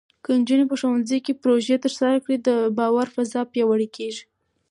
که نجونې په ښوونځي کې پروژې ترسره کړي، د باور فضا پیاوړې کېږي.